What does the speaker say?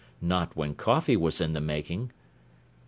Not when coffee was in the making!